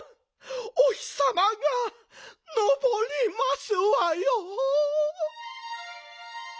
お日さまがのぼりますわよ。